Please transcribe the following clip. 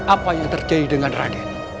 apa yang terjadi dengan raden